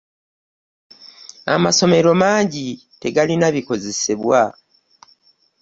Amasomero mangi tegalina bikozesebwa .